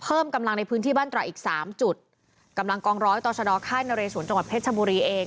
เพิ่มกำลังในพื้นที่บ้านตระอีกสามจุดกำลังกองร้อยต่อชะดอค่ายนเรสวนจังหวัดเพชรชบุรีเอง